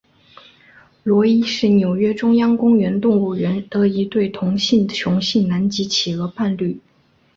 罗伊是纽约中央公园动物园的一对同性雄性南极企鹅伴侣。